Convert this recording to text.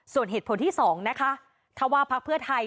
ส่วนเหตุผลที่๒นะคะถ้าว่าพักเพื่อไทย